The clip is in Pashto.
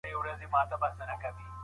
متضررې کورنۍ تر اوسه روغه نه ده کړې.